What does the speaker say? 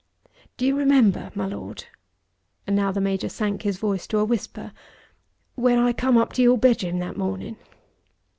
Do you remember, my Lord," and now the Major sank his voice to a whisper, "when I come up to your bedroom that morning?"